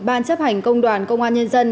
ban chấp hành công đoàn công an nhân dân